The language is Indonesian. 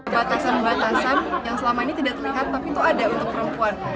batasan batasan yang selama ini tidak terlihat tapi itu ada untuk perempuan